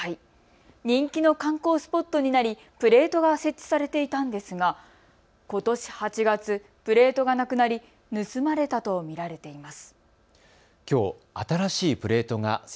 人気の観光スポットになりプレートが設置されていたんですがことし８月、プレートがなくなり盗まれたと見られています。